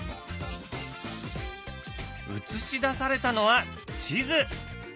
映し出されたのは地図。